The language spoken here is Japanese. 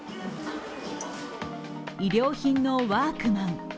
衣料品のワークマン。